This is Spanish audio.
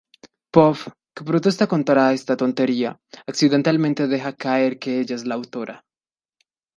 Phoebe, que protesta contra esta tontería, accidentalmente deja caer que ella es la autora.